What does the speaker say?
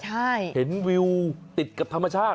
ใช่เห็นวิวติดกับธรรมชาติ